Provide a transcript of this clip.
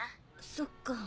そっか。